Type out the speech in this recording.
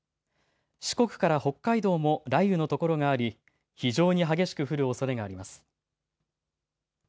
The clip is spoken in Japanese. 四国から北海道も雷雨の所があり非常に激しく降るおそれがあります。